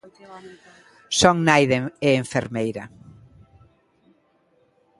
Son nai e enfermeira.